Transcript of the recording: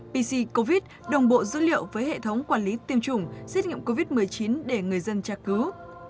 pc covid đồng bộ dữ liệu với hệ thống quản lý tiêm chủng xét nghiệm covid một mươi chín để người dân tra cứu